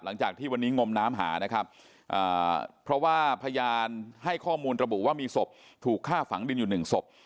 หลังจากที่วันนี้งมน้ำหานะครับเพราะว่าพยานให้ข้อมูลระบุว่ามีศพถูกฆ่าฝังดินอยู่หนึ่งศพ